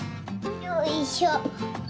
よいしょ！